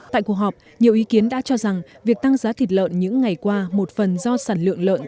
tại cuộc họp nhiều ý kiến đã cho rằng việc tăng giá thịt lợn những ngày qua một phần do sản lượng lợn